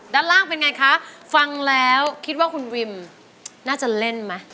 ด้านล่างเป็นไงคะฟังแล้วคิดว่าคุณวิมน่าจะเล่นไหม